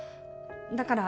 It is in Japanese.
だから。